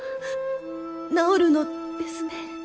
治るのですね！